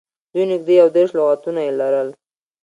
دوی نږدې یو دېرش لغاتونه یې لرل